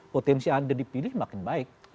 potensi anda dipilih makin baik